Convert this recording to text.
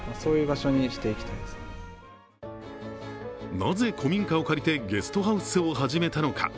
なぜ、古民家を借りてゲストハウスを始めたのか。